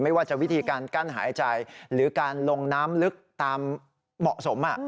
ไม่ว่าจะวิธีการกั้นหายใจหรือการลงน้ำลึกตามเหมาะสม